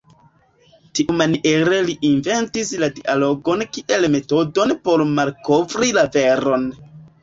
Tiumaniere li inventis la dialogon kiel metodon por malkovri la veron.